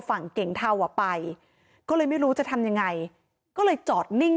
แต่แท็กซี่เขาก็บอกว่าแท็กซี่ควรจะถอยควรจะหลบหน่อยเพราะเก่งเทาเนี่ยเลยไปเต็มคันแล้ว